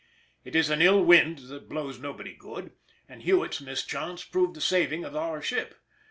It is an ill wind that blows nobody good, and Hewett's mischance proved the saving of our ship.